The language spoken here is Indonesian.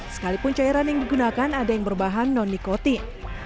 sekalipun cairan yang digunakan ada yang berbahan non nikotik